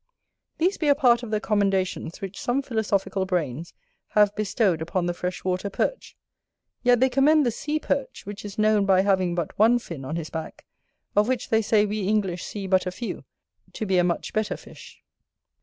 These be a part of the commendations which some philosophical brains have bestowed upon the freshwater Perch: yet they commend the Sea Perch which is known by having but one fin on his back, of which they say we English see but a few, to be a much better fish.